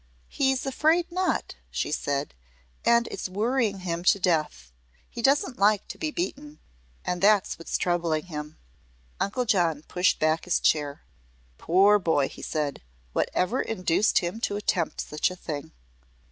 "He's afraid not," she said, "and it's worrying him to death. He doesn't like to be beaten, and that's what's troubling him." Uncle John pushed back his chair. "Poor boy!" he said. "What ever induced him to attempt such a thing?"